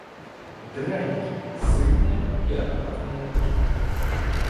Драники - сытное и ароматное блюдо.